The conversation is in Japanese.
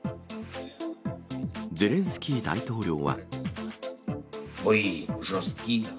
ゼレンスキー大統領は。